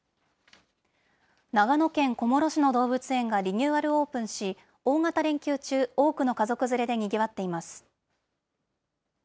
長野県小諸市の動物園がリニューアルオープンし、大型連休中、多くの家族連れでにぎわっています。